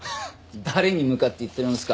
誰に向かって言ってるんすか？